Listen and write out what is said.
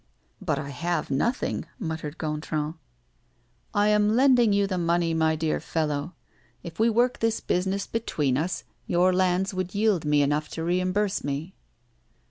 "But I have nothing," muttered Gontran. "I am lending you the money, my dear fellow. If we work this business between us, your lands would yield me enough to reimburse me."